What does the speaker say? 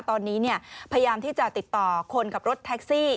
ตอนนี้พยายามที่จะติดต่อคนขับรถแท็กซี่